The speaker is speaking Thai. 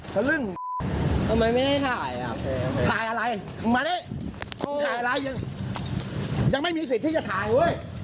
ยังไม่มีสิทธิ์ที่จะถ่ายเว้ย